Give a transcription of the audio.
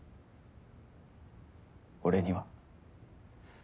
俺には。